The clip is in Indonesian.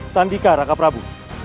sandika raka prabu